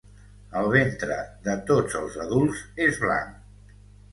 El ventre de tots els adults és blanc.